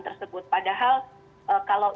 tersebut padahal kalau